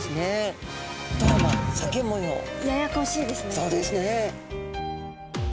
そうですね。